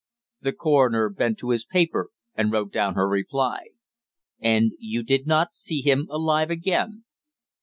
The coroner bent to his paper and wrote down her reply. "And you did not see him alive again."